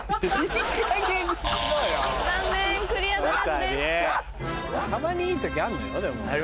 たまにいい時あるんだよでも。